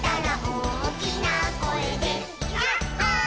「おおきなこえでヤッホー」